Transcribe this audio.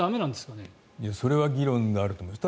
それは議論があると思います。